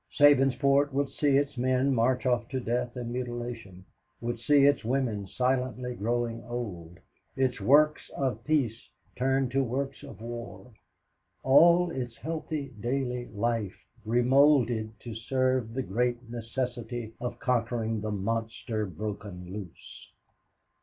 Sabinsport would see its men march off to death and mutilation, would see its women silently growing old, its works of peace turned to works of war; all its healthy, daily life remolded to serve the Great Necessity of conquering the Monster broken loose.